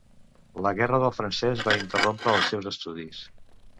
La Guerra del Francès va interrompre els seus estudis.